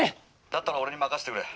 「だったら俺に任せてくれ。